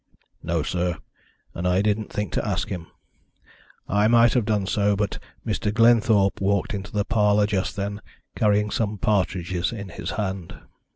"No, sir, and I didn't think to ask him. I might have done so, but Mr. Glenthorpe walked into the parlour just then, carrying some partridges in his hand.